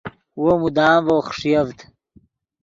وو مدام ڤؤ خݰیڤد